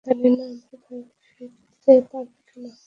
জানি না আমরা বাড়ি ফিরতে পারব কি না।